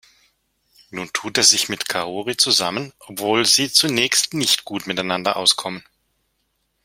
Nun tut er sich mit Kaori zusammen, obwohl sie zunächst nicht gut miteinander auskommen.